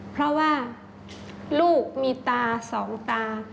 เพราะว่าลูกมีตาสองตา